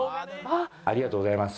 ありがとうございます。